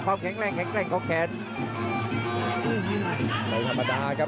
กระโดยสิ้งเล็กนี่ออกกันขาสันเหมือนกันครับ